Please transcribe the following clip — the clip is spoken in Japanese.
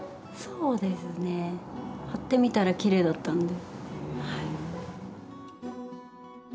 そうですね貼ってみたらきれいだったのではい。